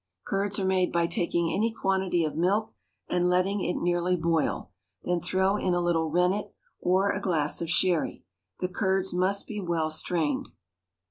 Curds are made by taking any quantity of milk and letting it nearly boil, then throw in a little rennet or a glass of sherry. The curds must be well strained.